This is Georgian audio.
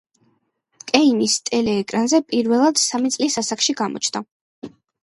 კეინის ტელე-ეკრანზე პირველად სამი წლის ასაკში გამოჩნდა.